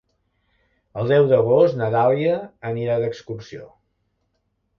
El deu d'agost na Dàlia anirà d'excursió.